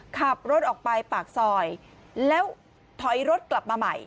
ขับรถออกไปปากซอยแล้วถอยรถกลับมาใหม่